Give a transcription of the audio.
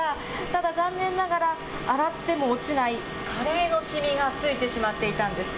ただ、残念ながら、洗っても落ちないカレーの染みが付いてしまっていたんです。